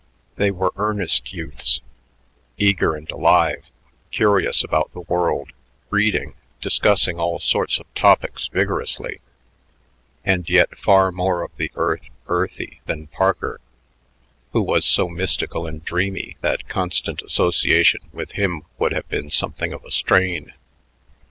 They were earnest youths, eager and alive, curious about the world, reading, discussing all sorts of topics vigorously, and yet far more of the earth earthy than Parker, who was so mystical and dreamy that constant association with him would have been something of a strain.